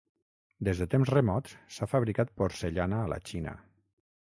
Des de temps remots s'ha fabricat porcellana a La Xina.